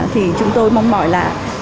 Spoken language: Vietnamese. thì chúng tôi mong mỏi là